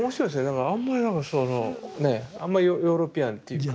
だからあんまりなんかそのねあんまヨーロピアンっていうか。